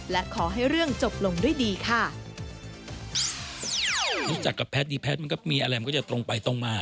และขอให้เรื่องจบลงด้วยดีค่ะ